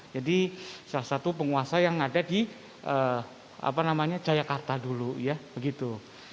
jadi salah satu penguasa yang ada di apa namanya jakarta dulu ya begitu